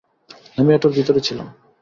আমি এটার ভিতরে ছিলাম।